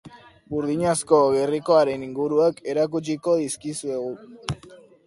Burdinazko Gerrikoaren inguruak erakutsiko dizkizuegu.